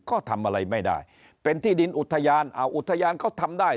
ก็ทำอะไรไม่ได้เป็นที่ดินอุทยานอ่าอุทยานเขาทำได้